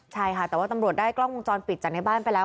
ใช่ค่ะแต่ว่าตำรวจได้กล้องวงจรปิดจากในบ้านไปแล้ว